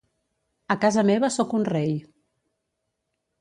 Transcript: A casa meva soc un rei.